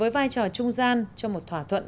đang trở lại trung gian trong một thỏa thuận